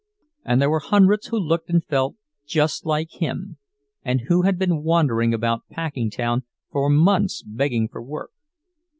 And there were hundreds who looked and felt just like him, and who had been wandering about Packingtown for months begging for work.